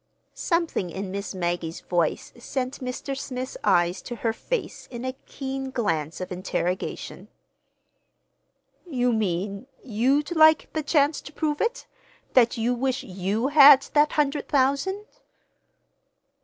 Something in Miss Maggie's voice sent Mr. Smith's eyes to her face in a keen glance of interrogation. "You mean—you'd like the chance to prove it? That you wish you had that hundred thousand?"